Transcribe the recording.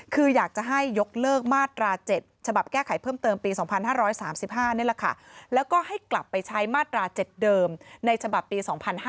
คืออยากจะให้ยกเลิกมาตรา๗ฉบับแก้ไขเพิ่มเติมปี๒๕๓๕นี่แหละค่ะแล้วก็ให้กลับไปใช้มาตรา๗เดิมในฉบับปี๒๕๕๙